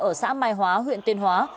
ở xã mai hóa huyện tuyên hóa